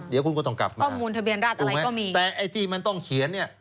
เดี๋ยวคุณก็ต้องกลับมาข้อมูลทะเบียนรัฐอะไรก็มีแต่ไอ้ที่มันต้องเขียนเนี่ย